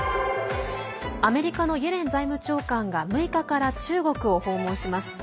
アメリカのイエレン財務長官が６日から中国を訪問します。